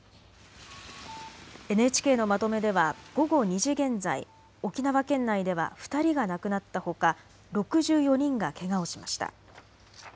ＮＨＫのまとめでは午後２時現在沖縄県内では２人が亡くなったほか、６４人がけがをしました。